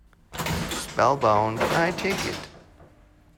Spell-bound, I take it.